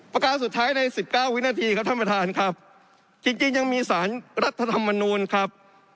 ประการสุดท้ายใน๑๙วินาทีครับท่านประธานครับจริงยังมีสารรัฐธรรมนูลครับ